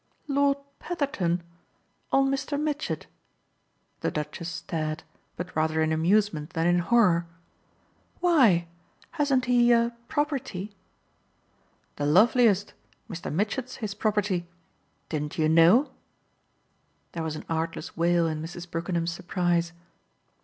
"Lord Petherton on Mr. Mitchett?" The Duchess stared, but rather in amusement than in horror. "Why, hasn't he a property?" "The loveliest. Mr. Mitchett's his property. Didn't you KNOW?" There was an artless wail in Mrs. Brookenham's surprise.